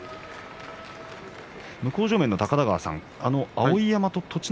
向正面の高田川さん